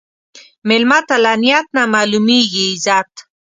مېلمه ته له نیت نه معلومېږي عزت.